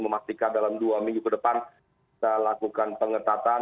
memastikan dalam dua minggu ke depan kita lakukan pengetatan